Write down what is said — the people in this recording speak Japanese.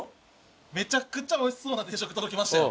めちゃくちゃおいしそうな定食届きましたよ